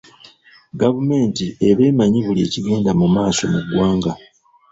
Gavumenti eba emanyi buli ekigenda mu maaso mu ggwanga.